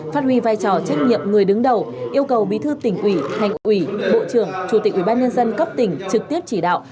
phát huy vai trò trách nhiệm người đứng đầu yêu cầu bí thư tỉnh ủy hành ủy bộ trưởng chủ tịch ủy ban nhân dân cấp tỉnh trực tiếp chỉ đạo